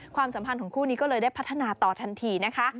ความสัมพันธ์ของคู่นี้ก็เลยได้พัฒนาต่อทันทีนะคะ